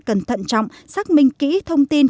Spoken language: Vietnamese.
cần thận trọng xác minh kỹ thông tin